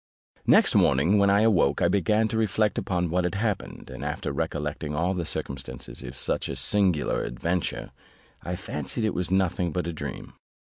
Next morning, when I awoke, I began to reflect upon what had happened, and after recollecting all the circumstances of such a singular adventure, I fancied it was nothing but a dream.